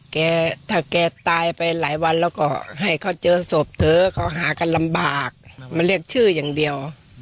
แกถ้าแกตายไปหลายวันแล้วก็ให้เขาเจอศพเถอะเขาหากันลำบากมาเรียกชื่ออย่างเดียว